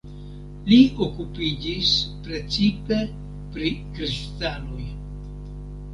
Li okupiĝis precipe pri kristaloj.